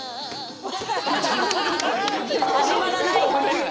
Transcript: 始まらない。